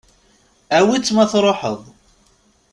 Awi-tt ma truḥeḍ.